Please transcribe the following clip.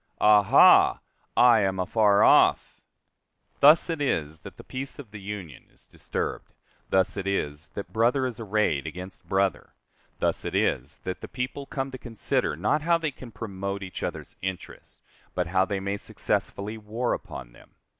aha! I am afar off." Thus it is that the peace of the Union is disturbed; thus it is that brother is arrayed against brother; thus it is that the people come to consider not how they can promote each other's interests, but how they may successfully war upon them.